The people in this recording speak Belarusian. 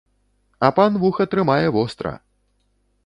А пан вуха трымае востра!